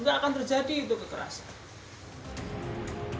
tidak akan terjadi itu kekerasan